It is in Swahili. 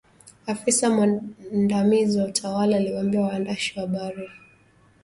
Afisa mwandamizi wa utawala aliwaambia waandishi wa habari.